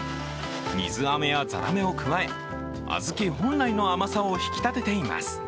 水あめやざらめを加え小豆本来の甘さを引き立てています。